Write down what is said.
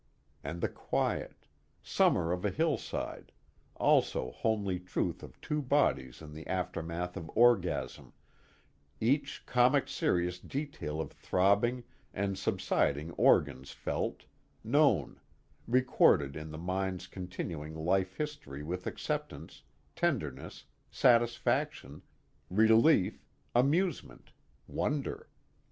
And the quiet: summit of a hillside, also homely truth of two bodies in the aftermath of orgasm, each comic serious detail of throbbing and subsiding organs felt, known, recorded in the mind's continuing life history with acceptance, tenderness, satisfaction, relief, amusement, wonder.